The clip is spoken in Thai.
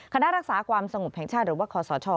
คณะรักษาความสงบแห่งชาติหรือว่าคอสช